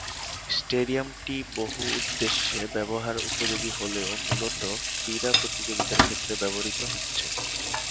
স্টেডিয়ামটি বহু-উদ্দেশ্যে ব্যবহার উপযোগী হলেও মূলতঃ ক্রীড়া প্রতিযোগিতার ক্ষেত্রে ব্যবহৃত হচ্ছে।